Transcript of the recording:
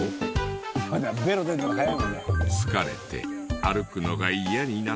疲れて歩くのが嫌になったら。